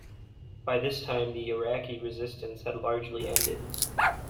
By this time Iraqi resistance had largely ended.